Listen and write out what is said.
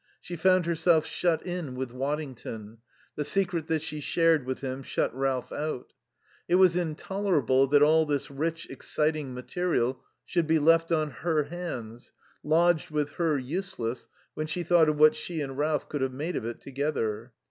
She found herself shut in with Waddington; the secret that she shared with him shut Ralph out. It was intolerable that all this rich, exciting material should be left on her hands, lodged with her useless, when she thought of what she and Ralph could have made of it together.